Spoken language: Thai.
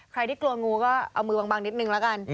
ใครที่กลัวงูก็เอามือบังนิดนึงละกัน